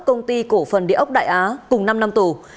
công ty cổ phần địa ốc đại á cùng năm năm tù